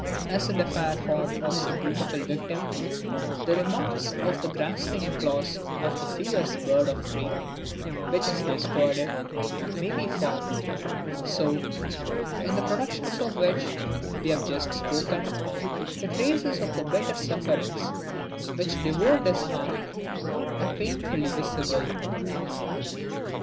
As in the fair form of some beautiful victim, the marks of the grasping claws of the fierce bird of prey which has destroyed it, may be found; so, in the productions of which we have just spoken, the traces of the bitter sufferings which devoured his heart, are painfully visible.